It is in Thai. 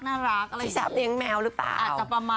ชิ้นแบบแตรงแมวหรือเปล่า